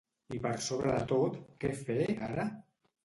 I per sobre de tot: què fer, ara?